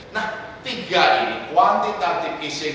nah tiga ini kuantitatif ising